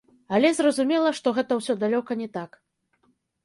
Але зразумела, што гэта ўсё далёка не так.